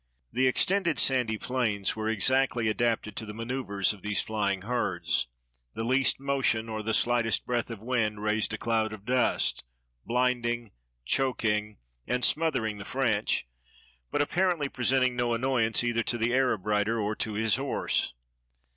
The extended sandy plains were exactly adapted to the maneuvers of these flying herds. The least motion or the slightest breath of wind raised a cloud of dust, blinding, choking, and smothering the French, but ap parently presenting no annoyance either to the Arab rider or to his horse.